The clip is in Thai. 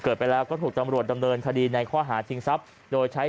ไปแล้วก็ถูกตำรวจดำเนินคดีในข้อหาชิงทรัพย์โดยใช้